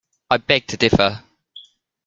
I beg to differ